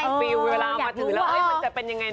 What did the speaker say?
อ๋ออยากรู้ว่าเอ้ยมันจะเป็นยังไงเนอะ